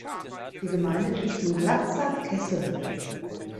Die Gemeinde liegt im Glatzer Kessel.